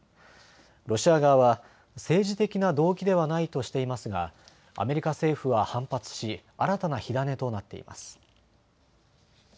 ロシア側は政治的な動機ではないとしていますがアメリカ政府は反発し新たな火種となっています。